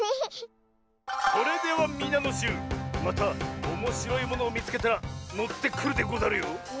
それではみなのしゅうまたおもしろいものをみつけたらもってくるでござるよ。